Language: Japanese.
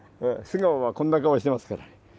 素顔はこんな顔してますから。